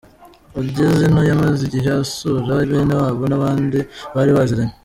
Ageze ino yamaze igihe asura bene wabo n’abandi bari baziranye.